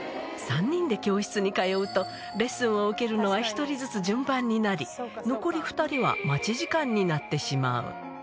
３人で教室に通うと、レッスンを受けるのは１人ずつ順番になり、残り２人は待ち時間になってしまう。